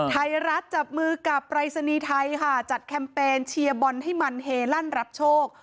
ไทยรัฐจับมือกับปรายศนีย์ไทยค่ะจัดแคมเปญเชียร์บอลให้มันเฮลั่นรับโชค